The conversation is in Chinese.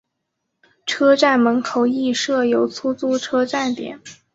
车站门口亦设有出租车站点。